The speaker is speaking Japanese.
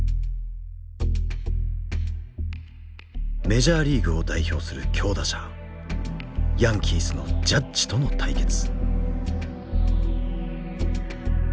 メジャーリーグを代表する強打者ヤンキースのジャッジとの対決。